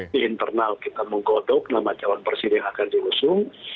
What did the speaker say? di internal kita menggodok nama calon presiden yang akan diusung